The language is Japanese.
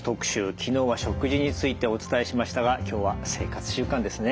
昨日は食事についてお伝えしましたが今日は生活習慣ですね。